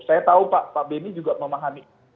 saya tahu pak beni juga memahami